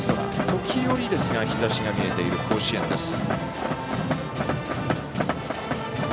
時折ですが日ざしが見えている甲子園です。